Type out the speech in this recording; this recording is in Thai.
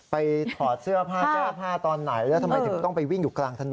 ถอดเสื้อผ้าแก้ผ้าตอนไหนแล้วทำไมถึงต้องไปวิ่งอยู่กลางถนน